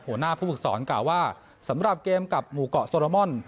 หัวหน้าผู้ฝึกสอนกล่าวว่าสำหรับเกมกับหมู่เกาะโซโรมอน